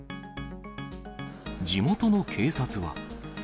地元の警察は。